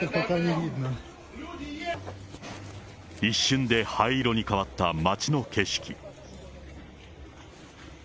一瞬で灰色に変わった町の景色。